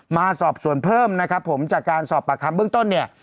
มาสอบส่วนเพิ่มนะครับผมจากการสอบปากคำเบื้องต้นเนี่ย